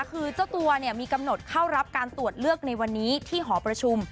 คือเจ้าตัวมีกำหนดเข้ารับการตรวจเลือกในวันนี้ที่หอประชุม